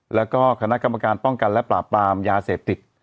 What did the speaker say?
แล้วก็คณะกรรมการป้องกันและปราบปรามยาเสพติด